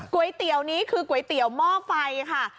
ก๋วยเตี๋ยวนี้คือก๋วยเตี๋ยวหม้อไฟค่ะ